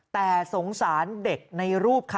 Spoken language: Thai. แต่สงสารเด็กในรูปค่ะ